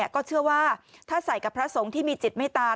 ก็เชื่อว่าถ้าใส่กับพระสงฆ์ที่มีจิตเมตตา